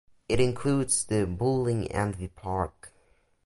It includes the building and the park.